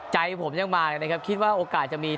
ใจผมยังมาเลยนะครับคิดว่าโอกาสจะมี